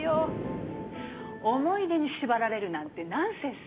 思い出に縛られるなんてナンセンス。